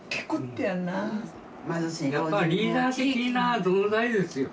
やっぱリーダー的な存在ですよ。